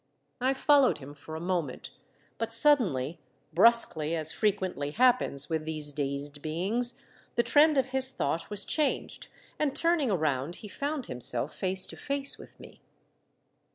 I followed him for a moment, but sud denly, brusquely, as frequently happens with these dazed beings, the trend of his thought was changed, and turning around, he found himself face to face with me.